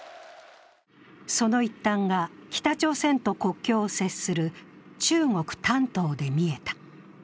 その一端が北朝鮮と国境を接する中国・丹東で見えた。